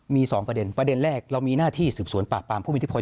มี๒ประเด็นประเด็นแรกเรามีหน้าที่สืบสวนปราบปรามผู้มีอิทธิพล